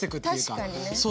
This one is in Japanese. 確かにね。